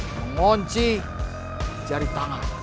mengunci jari tangan